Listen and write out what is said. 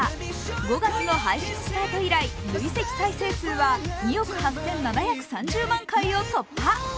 ５月の配信スタート以来、累積再生回数は２億８７３０万回を突破。